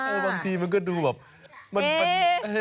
เออบางทีมันก็ดูแบบมันแบบเอ๊ใครเขียน